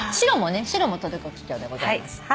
白もトルコギキョウでございます。